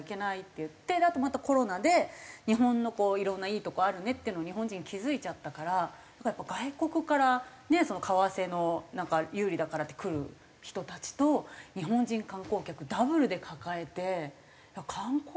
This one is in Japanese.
あとまたコロナで日本のいろんないいとこあるねっていうのを日本人気付いちゃったからやっぱ外国から為替の有利だからって来る人たちと日本人観光客ダブルで抱えて観光地。